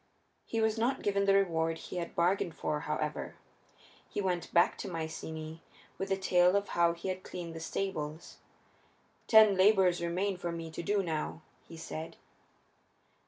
He was not given the reward he had bargained for, however. He went back to Mycenæ with the tale of how he had cleaned the stables. "Ten labors remain for me to do now," he said.